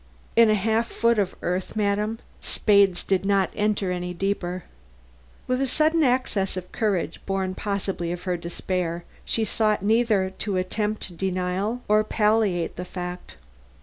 "In a half foot of earth, madam? The spades did not enter any deeper." With a sudden access of courage, born possibly of her despair, she sought neither to attempt denial nor palliate the fact.